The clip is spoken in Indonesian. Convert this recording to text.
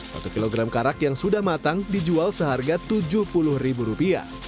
satu kilogram karak yang sudah matang dijual seharga rp tujuh puluh